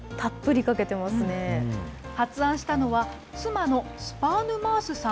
発案したのは、妻のスパーヌマースさん。